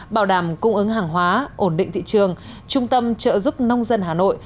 bảo đảm cung ứng hàng hóa ổn định thị trường trung tâm trợ giúp nông dân hà nội